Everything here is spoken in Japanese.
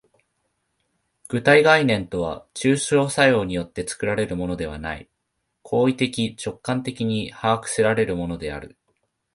具体概念とは抽象作用によって作られるのではない、行為的直観的に把握せられるのである。